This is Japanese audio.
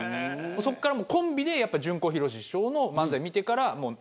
そっからもうコンビで順子・ひろし師匠の漫才見てから。